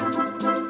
ini kita lihat